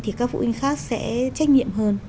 thì các phụ huynh khác sẽ trách nhiệm hơn